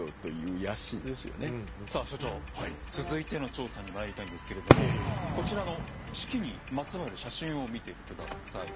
続いての調査にまいりたいんですけれどもこちらの子規にまつわる写真を見て下さい。